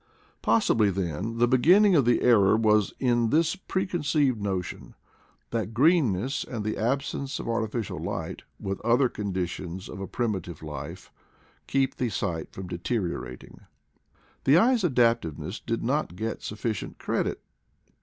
Possibly, then, the beginning of the error was in this preconceived notion, that greenness and the absence of artificial light, with other conditions of a primitive life, keep the sight from deteriorat ing. The eye's adaptiveness did not get sufficient credit.